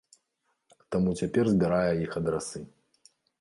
Таму цяпер збірае іх адрасы.